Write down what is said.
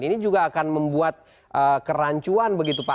ini juga akan membuat kerancuan begitu pak